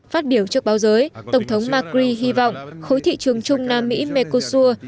phát biểu trước báo giới tổng thống macri hy vọng khối thị trường chung nam mỹ mekosur